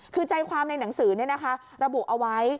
คือใจความในหนังสือระบุเอาไว้